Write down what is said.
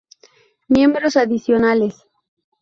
Miembros adicionales